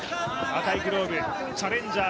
赤いグローブ、チャレンジャー